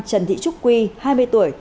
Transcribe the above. trần thị trúc quy hai mươi tuổi